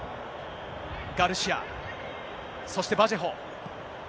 ガルシア、そしてバジェホ。